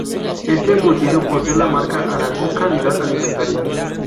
Este embutido posee la marca Aragón Calidad Alimentaria.